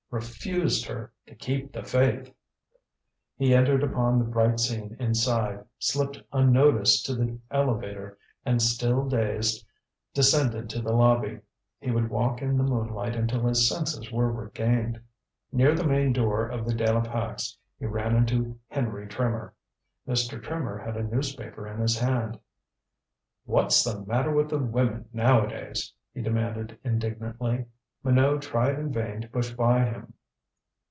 Refused her, to keep the faith! He entered upon the bright scene inside, slipped unnoticed to the elevator and, still dazed, descended to the lobby. He would walk in the moonlight until his senses were regained. Near the main door of the De la Pax he ran into Henry Trimmer. Mr. Trimmer had a newspaper in his hand. "What's the matter with the women nowadays?" he demanded indignantly. Minot tried in vain to push by him.